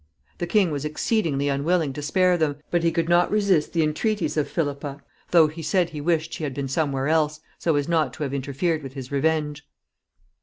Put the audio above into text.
The king was exceedingly unwilling to spare them, but he could not resist the entreaties of Philippa, though he said he wished she had been somewhere else, so as not to have interfered with his revenge.